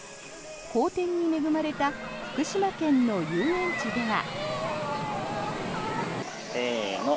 好天に恵まれた福島県の遊園地では。